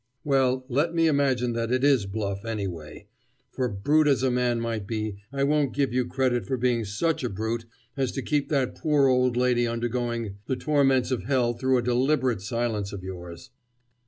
"Well, let me imagine that it is bluff, anyway: for brute as a man might be, I won't give you credit for being such a brute as to keep that poor old lady undergoing the torments of hell through a deliberate silence of yours."